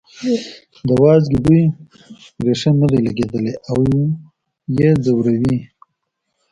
د وازدې بوی پرې ښه نه دی لګېدلی او یې ځوروي.